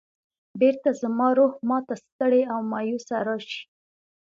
بېرته زما روح ما ته ستړی او مایوسه راشي.